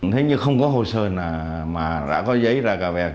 thế nhưng không có hồ sơ mà đã có giấy ra cà vẹt